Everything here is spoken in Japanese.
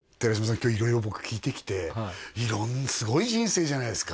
今日色々僕聞いてきて色んなすごい人生じゃないですか